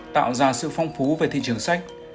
tạo ra sự phong phú về thị trường sách